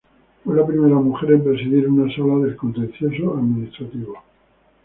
Fue la primera mujer en presidir una Sala de lo Contencioso-administrativo.